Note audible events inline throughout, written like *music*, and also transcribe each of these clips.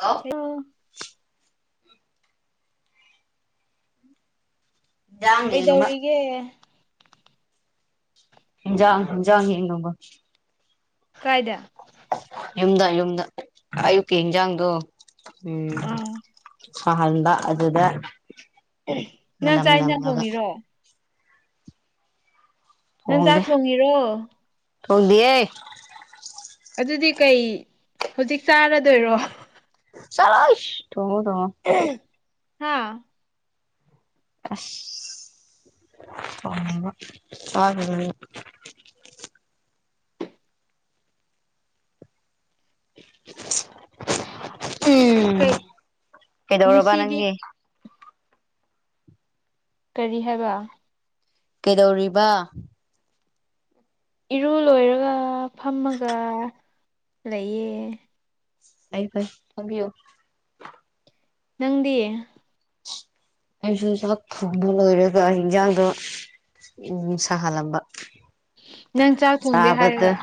ꯂꯣ ꯍꯤꯟꯖꯥꯡ ꯌꯦꯡꯉꯕ ꯀꯩꯗꯧꯔꯤꯒꯦ ꯍꯦꯟꯖꯥꯡ ꯍꯖꯥꯡ ꯌꯦꯡꯉꯣꯕ ꯀꯥꯏꯗ ꯌꯨꯝꯗ ꯌꯨꯝꯗ ꯑꯌꯨꯛꯀꯤ ꯏꯟꯖꯥꯡꯗꯣ ꯎꯝ ꯑꯥ ꯑ ꯍꯗ ꯑꯗꯨꯗꯗ *inaudible* ꯅꯥꯟ ꯆꯥꯛ ꯏꯟꯖꯥꯡ ꯊꯣꯡꯉꯤꯔꯣ ꯅꯪ ꯆꯥꯛ ꯊꯣꯡꯉꯤꯔꯣ ꯊꯣꯡ ꯗꯦꯌꯦ ꯑꯗꯨꯗꯤ ꯀꯩ ꯍꯧꯖꯤꯛ ꯆꯥꯔꯗꯣꯏꯔꯣ ꯆꯔ ꯊꯉ ꯊꯃꯣ ꯍꯥꯥ *unintelligible* *inaudible* ꯑꯁ *unintelligible* *inaudible* ꯑ ꯇ *unintelligible* *inaudible* *unintelligible* *inaudible* ꯎꯝ ꯀꯩ ꯀꯩꯗꯧꯔꯕ ꯉꯁꯤꯗꯤ ꯅꯪꯒꯤ ꯀꯔꯤ ꯍꯥꯏꯕ ꯀꯩꯗꯧꯔꯤꯕ ꯏꯔꯨ ꯂꯣꯏꯔꯒ ꯐꯝꯃꯒ ꯂꯩꯌꯦ ꯑꯩ ꯐꯥꯏ ꯊꯪꯕꯤꯌꯣ ꯅꯪꯗꯤꯌꯦ ꯑꯩꯁꯨ ꯆꯥꯛ ꯊꯣꯡꯕ ꯂꯣꯏꯔꯒ ꯑꯩ ꯌꯦꯟꯖꯥꯡꯗꯣ ꯎ ꯁꯥꯍꯜꯂꯝꯕ ꯅꯪ ꯆꯥꯛ ꯊꯣꯡꯗꯦ ꯆꯥꯕꯗ ꯍꯥꯏꯔꯒ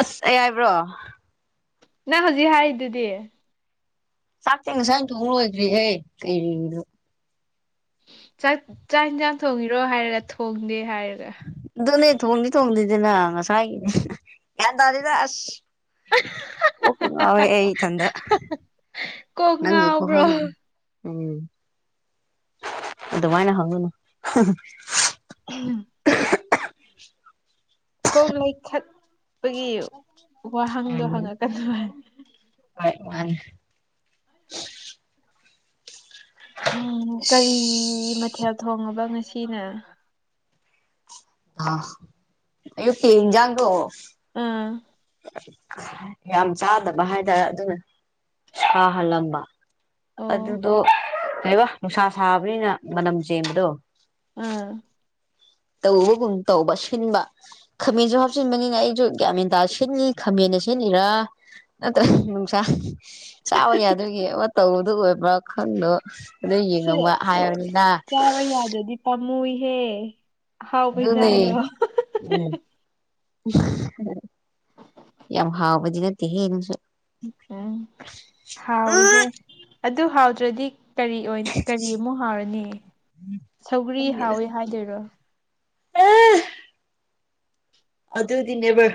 ꯑꯁ ꯑꯦ ꯍꯥꯏꯕ꯭ꯔꯣ ꯅꯪ ꯍꯧꯖꯤꯛ ꯍꯥꯏꯔꯤꯗꯨꯗꯤ ꯁꯥꯇ ꯁꯥꯏꯟꯇ ꯃꯣꯏꯗꯔꯤ ꯍꯦ ꯀ ꯆꯥꯛ ꯆꯥꯛ ꯌꯦꯟꯁꯥꯡ ꯊꯣꯡꯉꯤꯔꯣ ꯍꯥꯏꯔꯒ ꯊꯣꯡꯗꯦ ꯍꯥꯏꯔ ꯑꯗꯨꯅꯦ ꯊꯣꯡꯗꯤ ꯊꯣꯡꯗꯗꯦꯅꯪꯁꯗ ꯌꯥ ꯇꯗꯗꯁ ꯑꯣ ꯑꯩ ꯆꯗ ꯀꯣꯛ ꯅꯪ ꯐꯍ ꯉꯥꯎꯕ꯭ꯔꯣ ꯎꯝ ꯑꯗꯨꯃꯥꯏꯅ ꯍꯧꯒꯨꯅꯨ ꯎꯝ ꯀꯣꯝ ꯂꯩꯈꯠꯄꯒꯤ ꯋꯥꯍꯪꯗꯣ ꯍꯪꯉꯛꯀꯗꯣꯏ ꯍ ꯃꯥꯅꯤ ꯎꯝ ꯀꯔꯤ ꯃꯊꯦꯜ ꯊꯣꯡꯉꯕ ꯉꯁꯤꯅꯦ ꯑ ꯑ ꯄꯦꯟꯖꯥꯡꯒꯣ ꯑꯥ ꯌꯥꯝ ꯆꯥꯗꯕ ꯍꯥꯏꯇꯥꯔꯦ ꯑꯗꯨꯅ ꯁꯥꯍꯜꯂꯝꯕ ꯑꯣ ꯑꯗꯨꯗꯣ ꯀꯕ ꯅꯨꯡꯁꯥ ꯁꯥꯕꯅꯤꯅ ꯃꯅꯝ ꯆꯦꯟꯕꯗꯣ ꯑꯝ ꯇꯧꯕꯒꯨꯝ ꯇꯧꯕ ꯁꯤꯟꯕ ꯈꯥꯃꯦꯟꯁꯨ ꯍꯥꯞꯆꯤꯟꯕꯅꯤꯅ ꯑꯩꯁꯨ ꯀꯌꯥꯃꯦꯟꯇꯥ ꯁꯤꯦꯂꯤ ꯈꯥꯃꯟꯅ ꯁꯤꯦꯜꯂꯤꯔꯥ ꯅꯠꯇ꯭ꯔ ꯅꯨꯡꯁꯥ ꯆꯥꯕ ꯌꯥꯗꯣꯏꯒꯤ ꯃꯇꯧꯕꯗꯨ ꯑꯣꯏꯕ꯭ꯔꯥ ꯈꯟꯗꯣ ꯑꯗꯣ ꯁꯤ ꯌꯦꯡꯉꯕ ꯍꯥꯏꯅꯤꯅ ꯃꯨꯏꯍꯦ ꯍꯥꯎ ꯑꯗꯨꯅꯦ ꯄꯩꯖꯥꯡꯗ ꯎꯝ ꯌꯥꯝ ꯍꯥꯎꯕꯗꯤ ꯅꯠꯇꯦ ꯍꯦ ꯑꯗꯨꯁꯨ ꯎꯝ ꯍꯥꯎꯏꯍꯦ ꯑꯗꯨ ꯍꯥꯎꯗ꯭ꯔꯗꯤ ꯀꯔꯤ ꯀꯔꯤ ꯑꯃꯨꯛ ꯍꯥꯎꯔꯅꯤ ꯁꯧꯒꯔꯤ ꯍꯥꯎꯋꯤ ꯍꯥꯏꯗꯣꯏꯔꯣ ꯑ ꯑꯗꯗꯤꯕ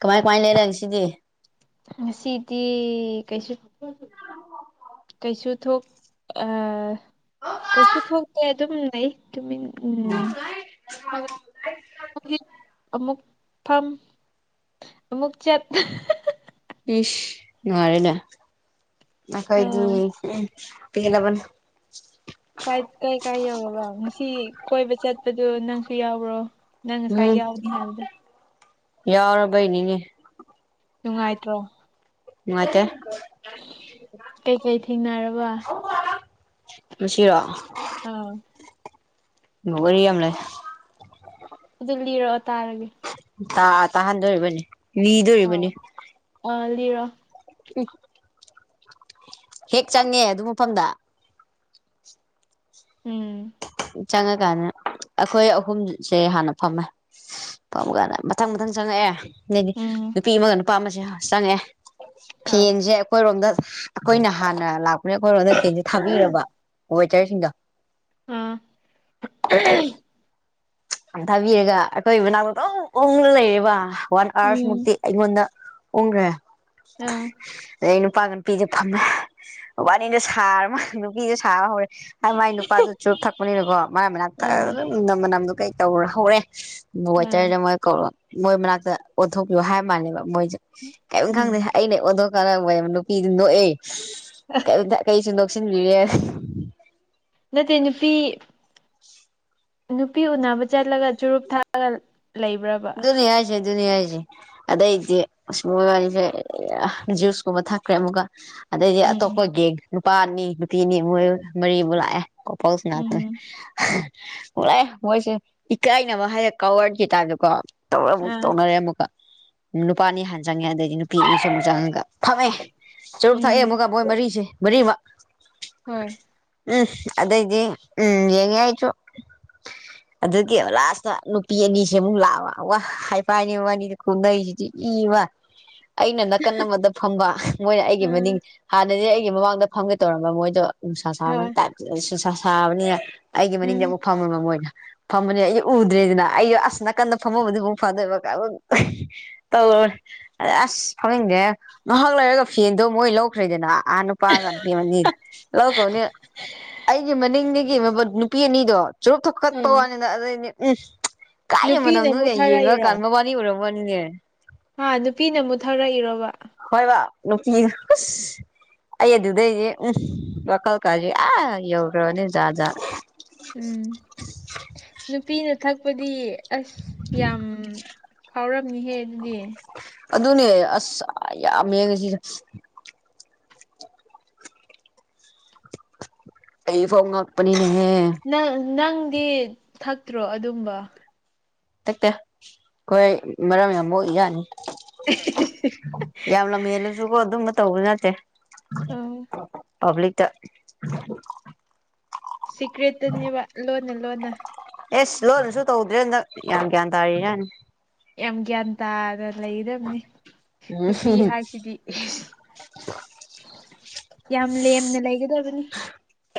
ꯀꯃꯥꯏ ꯀꯃꯥꯏ ꯂꯩꯅ ꯁꯤꯗꯤ ꯁꯤꯤꯗꯤꯤ ꯀꯩꯁꯨ ꯀꯩꯁꯨ ꯊꯣꯛ ꯑ ꯀꯩꯁꯨ ꯊꯣꯛꯇꯦ ꯑꯗꯨꯝ ꯂꯩ ꯎꯝꯨꯛ ꯐꯐꯝ ꯑꯃꯨꯛ ꯆꯠ ꯏꯁ ꯅꯨꯡꯉꯔꯅꯦ ꯑ ꯑꯩꯈꯣꯏꯗꯤ ꯄꯂꯕꯟ ꯀꯥꯏ ꯀꯥꯏ ꯀꯥꯏ ꯌꯧꯔꯕ ꯉꯁꯤ ꯀꯣꯏꯕ ꯆꯠꯄꯗꯨ ꯅꯪꯁꯨ ꯌꯥꯎꯕ꯭ꯔꯣ ꯅꯪ ꯉꯁꯥꯏ ꯌꯥꯎꯅꯤ ꯍꯥꯏꯕꯗꯣ ꯌꯥꯎꯔ ꯩꯅꯤꯅꯦ ꯅꯨꯡꯉꯥꯏꯇ꯭ꯔꯣ ꯆꯦ ꯀꯩꯀꯩ ꯊꯦꯡꯅꯔꯕ ꯃꯁꯤꯁꯤꯔꯣ ꯑꯥ ꯋꯥꯔꯤ ꯌꯥꯝ ꯂꯩ ꯑꯗꯨ ꯂꯤꯔꯛꯑꯣ ꯇꯥꯔꯒꯦ ꯇ ꯇꯥꯍꯟꯗꯣꯔꯤꯕꯅꯤ ꯂꯤꯗꯣꯔꯤꯕꯅꯤ ꯅꯤꯔꯣ ꯎꯝ ꯍꯦꯛ ꯆꯪꯉꯦ ꯑꯗꯨ ꯃꯐꯝꯗ ꯎꯝ ꯆꯪ ꯀꯅ ꯑꯩꯈꯣꯏ ꯑꯍꯨꯝꯁꯦ ꯍꯥꯟꯅ ꯐꯝꯃꯦ ꯐꯝꯃꯀꯥꯟꯗ ꯃꯊꯪ ꯃꯊꯪ ꯆꯪꯉꯛꯑꯦ ꯅꯗꯤ ꯎꯝ ꯅꯨꯄꯤ ꯑꯃꯒ ꯅꯨꯄꯥ ꯑꯃꯁꯦ ꯆꯪꯉꯦ ꯍꯣꯏ ꯐꯦꯟꯁꯦ ꯑꯩꯈꯣꯏꯔꯣꯝꯗ ꯑꯩꯈꯣꯏꯅ ꯍꯥꯟꯅ ꯂꯥꯛꯄꯅꯦ ꯑꯩꯈꯣꯏꯔꯣꯗ ꯆꯦꯟꯁꯦ ꯊꯥꯕꯤꯔꯕ ꯋꯦꯇꯔꯁꯤꯡꯗꯣ ꯑꯥ ꯑꯝ ꯊꯕꯤꯔꯒ ꯑꯩꯈꯣꯏ ꯃꯅꯥꯛꯇ ꯑꯗꯨ ꯑꯣꯡꯅ ꯂꯩꯔꯤꯕꯔ ꯋꯥꯟ ꯎꯝ ꯑꯥꯋꯥꯔꯁꯃꯨꯛꯇꯤ ꯑꯩꯉꯣꯟꯗ ꯎꯔ ꯑꯥ ꯑ ꯅꯨꯄꯥꯒꯅ ꯄꯤꯗ ꯐꯃꯦ ꯋꯥꯕꯥꯅꯤꯗ ꯁꯥꯔ ꯅꯨꯄꯤꯗ ꯁꯥꯕ ꯍꯧꯔꯦ ꯍꯥꯏ ꯃꯥꯏ ꯅꯨꯄꯥꯗꯨꯣ ꯆꯨꯔꯨꯞ ꯊꯛꯄꯅꯤꯅꯀꯣ ꯃ ꯃꯅꯥ ꯑ ꯑꯗꯨꯝ ꯅꯝꯃꯅꯝꯗꯨ ꯀꯩ ꯀꯧꯔ ꯍꯧꯔꯦ ꯑ ꯋꯦꯇꯔꯗ ꯃꯣꯏ ꯀꯧꯔꯣ ꯃꯣꯏ ꯃꯅꯥꯛꯇ ꯑꯣꯟꯊꯣꯛꯄꯤꯌꯣ ꯍꯥꯏꯕ ꯃꯥꯜꯂꯦꯕ ꯃꯣꯏꯁꯦ ꯀꯔꯤꯝ ꯈꯪꯗꯦ ꯎꯝ ꯑꯩꯅ ꯑꯣꯟꯊ ꯀꯔ ꯅꯨꯄꯤꯗꯨ ꯅꯣꯛꯑꯦ ꯀꯩꯁꯨ ꯅꯣꯛꯁꯤꯟꯕꯤꯔꯦ ꯅꯠꯇꯦ ꯅꯨꯄꯤ ꯅꯨꯄꯤ ꯎꯅꯕ ꯆꯠꯂꯒ ꯆꯨꯔꯨꯞ ꯊꯥꯛꯒ ꯂꯩꯕ꯭ꯔꯕ ꯑꯗꯨꯅꯤ ꯍꯥꯏꯁꯦ ꯑꯗꯨꯅꯤ ꯍꯥꯏꯁꯦ ꯑꯗꯩꯗꯤ ꯃꯣꯏ ꯋꯥꯔꯤꯁꯦ ꯖꯨꯁꯀꯨꯝꯕ ꯊꯛꯈ꯭ꯔꯦ ꯑꯃꯨꯛꯀ ꯑꯗꯩꯗꯤ ꯑꯇꯣꯞꯄ ꯎꯝ ꯒꯦꯡ ꯅꯨꯄꯥꯅꯤ ꯅꯨꯄꯤꯅꯤ ꯃꯣꯏ ꯃꯔꯤꯃꯨꯛ ꯂꯥꯛꯑꯦ ꯎꯝ ꯀꯣꯄꯧꯁꯅꯦ ꯎꯝ ꯂ ꯃꯣꯏꯁꯦ ꯏꯀꯥꯏꯅꯕ ꯍꯥꯏꯔ ꯀꯋꯔꯈꯤ ꯇꯥꯏꯕꯗꯀꯣ ꯇꯧꯔꯒ ꯑꯃꯨꯛ ꯑꯥ ꯇꯧꯅꯔꯦ ꯑꯃꯨꯛꯀ ꯅꯨꯄꯥꯅꯤ ꯍꯥꯟ ꯆꯪꯉꯦ ꯑꯗꯩꯗꯤ ꯅꯨꯄꯤ ꯑꯅꯤꯁꯨ ꯑꯃꯨꯛ ꯆꯪꯉꯒꯦ ꯐꯝꯃꯦꯦ ꯆꯔꯨꯛ ꯊꯛꯑꯦ ꯎꯝ ꯑꯃꯨꯒ ꯃꯣꯏ ꯃꯔꯤꯁꯦ ꯃꯔꯤꯃꯛ ꯍꯣꯏ ꯎꯝ ꯑꯗꯩꯗꯤꯦ ꯎꯝ ꯌꯦꯉꯦꯏꯆꯣ ꯑꯗꯨꯒꯤ ꯂꯥꯁꯇ ꯅꯨꯄꯤ ꯑꯅꯤꯁꯦ ꯑꯃꯨꯛ ꯂꯥꯛ ꯑ ꯋꯥ ꯍꯥꯏꯐꯅꯤ ꯋꯥꯅꯤꯗꯤ ꯀꯟꯅꯩꯁꯤꯗꯤ ꯏ ꯋꯥ ꯑꯩꯅ ꯅꯥꯀꯟ ꯑꯃꯗ ꯐꯝꯕ ꯃꯣꯏꯅ ꯑꯩꯒꯤ ꯑꯥ ꯃꯅꯤꯡ ꯍꯥꯟꯅꯗꯤ ꯑꯩꯒꯤ ꯃꯃꯥꯡꯗ ꯐꯝꯒꯦ ꯇꯧꯔꯝꯕ ꯃꯣꯏꯗꯣ ꯅꯨꯡꯁꯥ ꯁꯥꯕꯅꯤ ꯍꯣꯏ ꯅꯨꯡꯁꯥ ꯁꯥꯕꯅꯤꯅ ꯑꯩꯒꯤ ꯎꯝ ꯃꯅꯤꯡꯗ ꯑꯃꯨꯛ ꯐꯪꯉ ꯃ ꯃꯣꯏꯅ ꯐꯃꯅꯦ ꯑꯩ ꯎꯗ꯭ꯔꯦꯗꯅ ꯑꯩꯁꯨ ꯑꯁ ꯅꯥꯀꯟꯗ ꯐꯝꯃꯕꯨꯗꯤ ꯑꯃꯨꯛ ꯐꯗꯣꯏꯕ ꯇꯧꯣꯏ ꯑ ꯑꯁ ꯐꯝꯅꯤꯡꯗꯦꯍ ꯂꯣꯏꯔꯒ ꯐꯦꯟꯗꯣ ꯃꯣꯏ ꯂꯧꯈ꯭ꯔꯦꯗꯅ ꯑꯅꯄꯥꯒꯇꯅꯤ ꯃꯅꯤ ꯂꯧ ꯀꯧꯅꯤ ꯑꯩꯒꯤ ꯃꯅꯤꯡꯗꯤ ꯅꯨꯄꯤ ꯑꯅꯤꯗꯣ ꯆꯨꯔꯨꯞ ꯊꯣꯛ ꯀꯠꯄ ꯑꯥ ꯋꯥꯅꯤꯅ ꯑꯗꯨꯗꯩꯅꯦ ꯎꯝ ꯅꯨꯄꯤꯅ ꯑꯃꯨꯛ ꯏꯅꯦ ꯌꯦꯡꯉ ꯀꯟꯕ ꯃꯥꯅꯤ ꯎꯔꯕꯃꯅꯤꯅꯦ ꯍꯥ ꯅꯨꯄꯤꯅ ꯑꯃꯨꯛ ꯊꯧꯔꯛꯏꯔꯣꯕ ꯍꯣꯏ ꯅꯨꯄꯤ ꯑꯩ ꯑꯗꯨꯗꯩꯗꯤꯦ ꯎꯝ ꯋꯥꯈꯜ ꯀꯥꯦ ꯑ ꯌꯧ꯭ꯔꯣꯅꯦꯖꯥꯖ ꯎꯝ ꯅꯨꯄꯤꯅ ꯊꯛꯄꯗꯤ ꯑꯁ ꯌꯥꯝ ꯐꯥꯎꯔꯝꯃꯤꯍꯦ ꯑꯗꯨꯗꯤ ꯑꯗꯨꯅꯦ ꯑꯁ ꯌꯥꯝ ꯌꯦꯡꯉꯁꯤ ꯀꯩ ꯐꯥꯎ ꯉꯄꯅꯤꯦ ꯅꯪ ꯅꯪꯗꯤ ꯊꯛꯇ꯭ꯔꯣ ꯑꯗꯨꯝꯕ ꯇꯛꯇ ꯍꯣꯏ ꯃꯔꯝ ꯌꯥꯝꯕ ꯌꯥꯅꯤ ꯌꯥꯝꯅ ꯃꯦꯜꯂꯁꯨꯀꯣ ꯑꯗꯨꯝꯕ ꯇꯧꯕ ꯅꯠꯇꯦ ꯄꯕꯂꯤꯛ ꯇ ꯁꯤꯀ꯭ꯔꯦꯠꯇꯅꯦꯕ ꯂꯣꯟꯅ ꯂꯣꯟꯅ ꯑꯦꯁ ꯂꯣꯏꯅꯁꯨ ꯇꯧꯗ꯭ꯔꯦ ꯍꯟꯗꯛ ꯌꯥꯝ꯭ ꯒ꯭ꯌꯥꯟ ꯇꯥꯔꯤꯅꯦꯅ ꯌꯥꯝ ꯒ꯭ꯌꯥꯟ ꯇꯥꯅ ꯂꯩꯒꯗꯕꯅꯤ ꯅꯨꯄꯤ ꯎꯝ ꯍꯥꯏꯁꯤꯗꯤ ꯌꯥꯝ ꯂꯦꯝꯅ ꯂꯩꯒꯗꯕꯅꯤ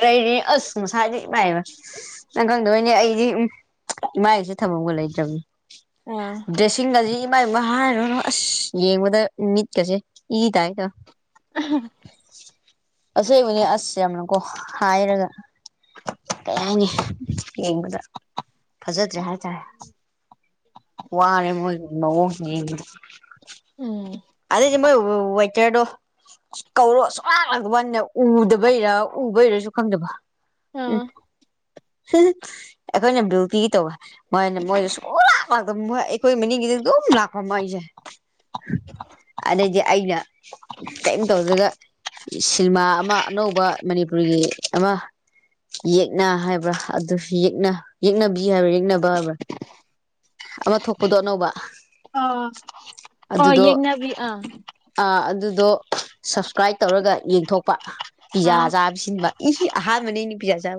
ꯀꯩꯅꯦ ꯑꯁ ꯃꯁꯥꯗꯤ ꯏꯃꯥꯏꯕ ꯅꯪ ꯈꯪꯗꯣꯏꯅꯦ ꯑꯩꯗꯤ ꯏꯃꯥꯏꯁꯤ ꯊꯕꯛꯒ ꯑꯥ ꯗ꯭ꯔꯦ ꯏꯃꯥ ꯏꯕ ꯑꯁ ꯌꯦꯡꯕꯗ ꯃꯤꯅꯤꯠꯀꯁꯦ ꯏꯗꯥꯏꯗꯣ *inaudible* ꯑꯁꯕꯨꯅꯦ ꯑꯁꯁ ꯌꯥꯝꯅꯀꯣ ꯍꯥꯏꯔꯒ ꯀꯩ ꯍꯥꯏꯅꯤ ꯌꯦꯡꯕꯗ ꯐꯖꯗ꯭ꯔꯦ ꯍꯥꯏꯇꯥꯔꯦ ꯋꯥꯅꯦꯦ ꯃ ꯌꯦ ꯎꯝ ꯑꯗꯦ ꯆꯃ ꯋꯥꯩꯇꯦꯗꯣ ꯀꯧꯔꯣ ꯑ ꯁꯨꯡ ꯂꯥꯡꯂꯛꯇꯕꯗ ꯎꯗꯕꯩꯔꯥ ꯎꯕꯩꯔꯁꯨ ꯈꯪꯗꯕ ꯎꯝ ꯑꯥ ꯑꯩꯈꯣꯏꯅ ꯕꯨꯄꯤꯤ ꯇꯧꯕ ꯃꯣꯏꯅ ꯃꯣꯏꯁꯨ ꯁꯨꯡ ꯑꯩꯈꯣꯏ ꯃꯅꯤꯡꯒꯤꯗꯤ ꯑꯗꯨꯝ ꯂꯥꯛꯄ ꯃ ꯑꯩꯁꯦ *inaudible* ꯑꯗꯩꯗꯤ ꯑꯩꯅ ꯀꯔꯤꯝ ꯇꯧꯗꯨꯒ ꯁꯤꯅꯦꯃꯥ ꯑꯃ ꯑꯅꯧꯕ ꯃꯅꯤꯄꯨꯔꯒꯤ ꯑꯃ ꯌꯦꯛꯅ ꯍꯥꯏꯕ꯭ꯔꯥ ꯑꯗꯨ ꯌꯦꯛꯅ ꯌꯦꯛꯅꯕꯤ ꯍꯥꯏꯕ꯭ꯔꯥ ꯌꯦꯛꯅꯕ ꯍꯥꯏꯕ꯭ꯔꯥ ꯑꯃ ꯊꯣꯛꯄꯗꯣ ꯑꯅꯧꯕ ꯑ ꯑꯣ ꯑꯗꯨꯗꯣ ꯌꯦꯡꯅꯕꯤ ꯑꯥ ꯑꯥ ꯑꯗꯨꯗꯣ ꯁꯞꯁꯀ꯭ꯔꯥꯏꯞ ꯇꯧꯔꯒ ꯌꯦꯡꯊꯣꯛꯄ ꯄꯤꯖꯥ ꯑꯥ ꯆꯥꯕ ꯁꯤꯟꯕ ꯏꯁꯤ ꯍꯥ ꯃꯩꯅ ꯄꯥꯖ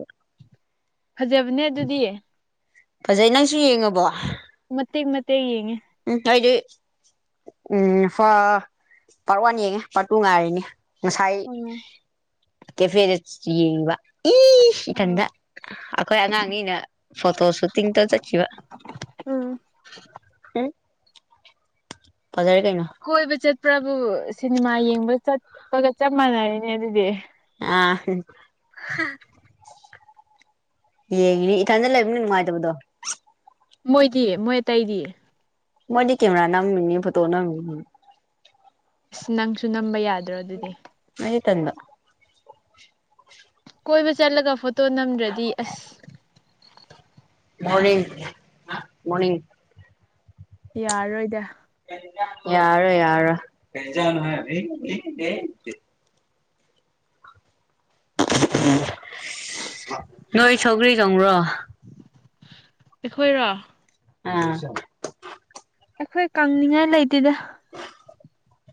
ꯐꯖꯕꯅꯦ ꯑꯗꯨꯗꯤ ꯐꯖꯩ ꯅꯪꯁꯨ ꯌꯦꯡꯉꯕꯣ ꯃ ꯃꯒꯤ ꯌꯦꯦꯉꯦ ꯎꯝ ꯑꯩꯗꯤ ꯎꯝ ꯏ ꯐꯥ ꯄꯥꯔꯠ ꯋꯥꯟ ꯌꯦꯡꯉꯦ ꯄꯥꯔꯠ ꯇꯨ ꯉꯥꯏꯔꯤꯅꯤ ꯉꯁꯥꯏ ꯎꯝ ꯀꯦꯐꯦꯔꯠ ꯌꯦꯕ ꯏ ꯎꯝ ꯀꯗ ꯑꯩꯈꯣꯏ ꯑꯉꯥꯡꯅꯤꯅ ꯐꯣꯇꯣ ꯁꯠ ꯇ ꯇ ꯆꯀꯤꯈꯤꯕ ꯎꯝ ꯎ ꯀꯣꯏꯕ ꯆꯠꯄ꯭ꯔꯕꯨ ꯁꯤꯅꯦꯃꯥ ꯌꯦꯡꯕ ꯆꯠꯄꯒ ꯆꯞ ꯃꯥꯟꯅꯔꯤꯅꯦ ꯑꯗꯨꯗꯤ ꯑ ꯍꯥ ꯌꯦꯡꯅꯦ ꯏꯊꯟꯗ ꯂꯩꯕꯅꯤ ꯅꯨꯡꯉꯥꯏꯇꯕꯗꯣ ꯃꯣꯏꯗꯤ ꯃꯣꯏ ꯑꯇꯩꯗꯤꯌꯦ ꯃꯣꯏꯦ ꯀꯦꯦꯝꯅꯥ ꯅ ꯃꯅꯤ ꯐꯠꯇ ꯅ ꯑꯁ ꯅꯪꯁꯨ ꯅꯝꯕ ꯌꯥꯗ꯭ꯔꯣ ꯑꯗꯨꯗꯤ ꯇꯅ ꯀꯣꯏꯕ ꯆꯠꯂꯒ ꯐꯣꯇꯣ ꯅꯝꯗ꯭ꯔꯗꯤ ꯑꯁ ꯃꯣꯔꯅꯤꯡ ꯃꯣꯔꯅꯤꯡ ꯌꯥꯔꯣꯏꯗ ꯌꯥꯔ ꯌꯥꯔ ꯀ ꯅꯣꯏ ꯁꯧꯒ꯭ꯔꯤ ꯈꯪ꯭ꯔꯣ ꯑꯩꯈꯣꯏꯔꯣ ꯑ ꯑꯩꯈꯣꯏ ꯀꯪꯅꯤꯡꯉꯥꯏ ꯂꯩꯇꯦꯗ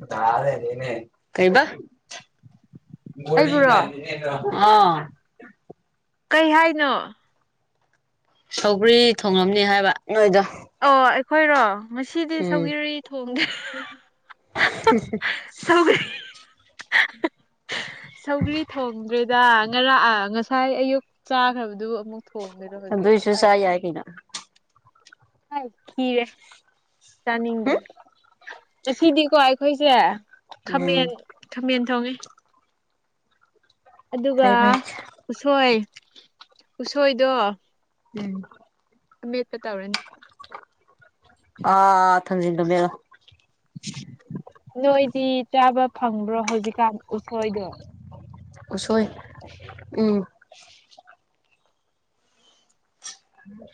ꯊꯥꯗꯦꯅꯦꯅꯦ ꯀꯩꯕ ꯑꯩꯕꯨꯔꯣ ꯃꯅꯤ ꯀꯩ ꯍꯥꯏꯅꯣ ꯁꯧꯒ꯭ꯔꯤ ꯊꯣꯡꯂꯝꯅꯤ ꯍꯥꯏꯕ ꯅꯣꯏꯗꯣ ꯑꯣ ꯑꯩꯈꯣꯏꯔꯣ ꯉꯁꯤꯗꯤ ꯎꯝ ꯁꯧꯒꯤꯔ ꯊꯣꯡꯗꯦ ꯁꯧꯒꯔꯤ ꯐ ꯁꯧꯒ꯭ꯔꯤ ꯊꯣꯡꯗ꯭ꯔꯦꯗ ꯉꯔꯥꯛ ꯉꯁꯥꯏ ꯑꯌꯨꯛ ꯆꯥꯈ꯭ꯔꯕꯗꯨ ꯑꯃꯨꯛ ꯊꯣꯡꯗꯣꯏꯔꯣ ꯍꯧꯖꯤꯛ ꯏꯁꯨ ꯁꯥꯏ ꯌꯥꯒꯅ ꯍ ꯈꯤꯔꯦ ꯆꯅꯤꯗ꯭ꯔꯦ ꯍꯨꯝ ꯉꯁꯤꯗꯤꯀꯣ ꯑꯩꯈꯣꯏꯁꯦ ꯎꯝ ꯈꯥꯃꯦꯟ ꯈꯥꯃꯦꯟ ꯊꯣꯡꯉꯦ ꯑꯗꯨꯒ ꯐꯩ ꯐꯩ ꯎꯁꯣꯏ ꯎꯁꯣꯏꯗꯣ ꯎꯝ ꯑꯃꯦꯠꯄ ꯇꯧꯔꯅꯤ ꯑꯥ ꯊꯪꯖꯤꯗ ꯃꯦꯂꯣ ꯅꯣꯏꯗꯤ ꯆꯥꯕ ꯐꯪꯕ꯭ꯔꯣ ꯍꯧꯖꯤꯛꯀꯥꯟ ꯎꯁꯣꯏꯗꯣ ꯎꯁꯣꯏ ꯎꯝ ꯎꯝ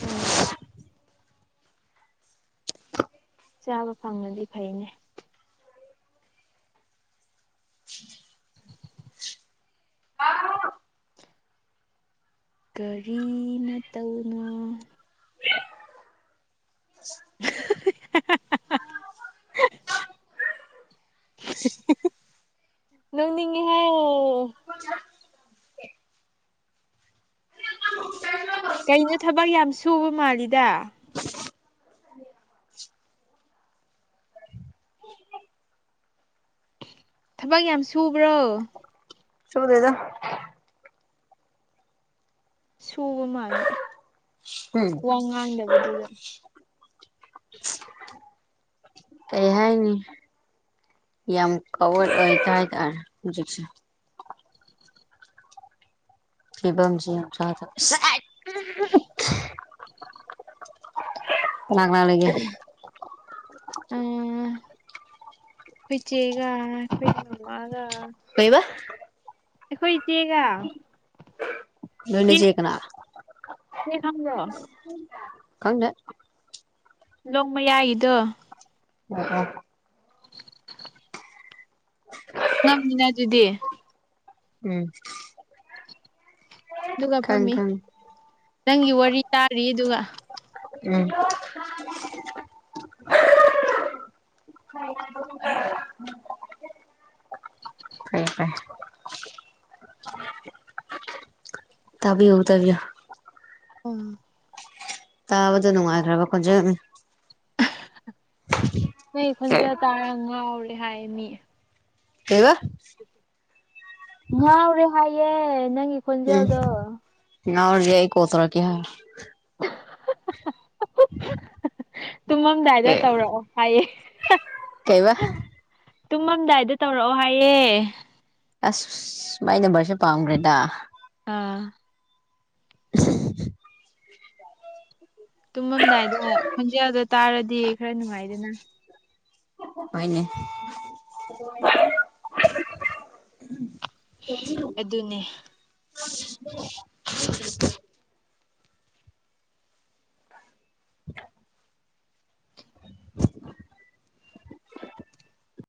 ꯑ *inaudible* ꯆꯥꯕ ꯐꯪꯉꯗꯤ ꯐꯩꯅꯦ ꯑ *unintelligible* ꯀꯔꯤ ꯃꯇꯧꯅꯣ *inaudible* ꯅꯪꯅꯤꯡꯉꯍꯦ ꯀꯩꯅꯣ ꯊꯕꯛ ꯌꯥꯝ ꯁꯨꯕ ꯃꯥꯜꯂꯤꯗ ꯊꯕꯛ ꯌꯥꯝ ꯁꯨꯕ꯭ꯔꯣ ꯆꯨꯗꯦꯗꯣ ꯁꯨꯕ ꯃꯥꯟꯕ ꯎꯝ ꯋꯥ ꯉꯥꯡꯗꯕꯗꯨꯗ ꯀꯩ ꯍꯥꯏꯅꯤ ꯌꯥꯝ ꯌꯥꯝ ꯀꯋꯥꯔ ꯑꯣꯏꯇꯥꯗ ꯦ ꯁꯤꯕꯝꯁꯤ ꯆꯗꯕ ꯀꯅꯥ ꯀꯅꯥ ꯂꯩꯒꯦ ꯑ ꯐꯩ ꯆꯦꯒ ꯐ ꯃꯂꯥꯒ ꯀꯩꯕ ꯑꯩꯈꯣꯏ ꯏꯆꯦꯒ ꯎꯝ ꯏꯆꯦ ꯈꯪꯈ꯭ꯔꯣ ꯀꯪꯗꯦ ꯂꯣꯡꯃꯌꯥꯏꯗꯣ ꯎ ꯎ ꯪ ꯉꯝꯃꯤꯅ ꯑꯗꯨꯗꯤ ꯎꯝ ꯑꯗꯨꯒ ꯈꯪ ꯐꯝꯃꯤ ꯈꯪ ꯅꯪꯒꯤ ꯋꯥꯔꯤ ꯇꯥꯔꯤ ꯑꯗꯨꯒ ꯎꯝ *inaudible* ꯐꯩ ꯐꯩ ꯇꯕꯤꯌꯨ ꯇꯕꯤ ꯌꯨ ꯑ ꯇꯥꯕꯗ ꯅꯨꯡꯉꯥꯏꯈ꯭ꯔꯕ ꯈꯣꯟꯖꯦꯜꯅꯤ ꯅꯣꯏ ꯈꯣꯟꯖꯦꯜ ꯇꯥꯔ ꯉꯥꯎꯔꯦ ꯍꯥꯏ ꯃꯤ ꯀꯩꯕ ꯉꯥꯎꯔꯦ ꯍꯥꯏꯌꯦ ꯅꯪꯒꯤ ꯈꯣꯟꯖꯦꯜꯗꯣ ꯔ ꯌꯥꯏ ꯀꯣꯜ ꯇꯧꯔꯛꯀꯦ ꯍꯥꯏ ꯎ ꯇꯨꯝꯃꯝꯗꯥꯏꯗ ꯇꯧꯔꯛꯑꯣ ꯍꯥꯏꯌꯦ ꯀꯩꯕ ꯇꯨꯝꯃꯝꯗꯥꯏꯗ ꯇꯧꯔꯛꯑꯣ ꯍꯥꯏꯌꯦ ꯑꯁ ꯃꯥꯏ ꯅꯝꯕꯔꯁꯦ ꯄꯥꯝꯈ꯭ꯔꯦꯗ ꯑ *inaudible* ꯇꯨꯝꯃꯝꯗꯥꯏꯗ ꯈꯣꯟꯖꯦꯜꯗꯣ ꯇꯥꯔꯗꯤ ꯈꯔ ꯅꯨꯡꯉꯥꯏꯗꯅ ꯍꯅꯦ ꯑꯗꯨꯅꯦ *inaudible* *inaudible*